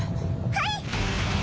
はい！